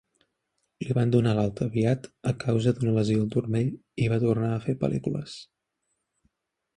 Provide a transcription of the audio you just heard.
Li van donar l'alta aviat a causa d'una lesió al turmell i va tornar a fer pel·lícules.